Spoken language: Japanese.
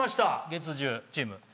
月１０チーム。